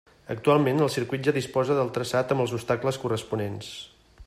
Actualment, el circuit ja disposa del traçat amb els obstacles corresponents.